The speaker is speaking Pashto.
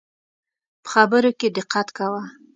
په خبرو کي دقت کوه